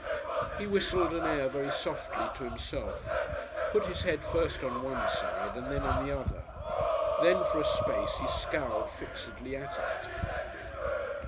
He whistled an air very softly to himself, put his head first on one side and then on the other. Then for a space he scowled fixedly at it.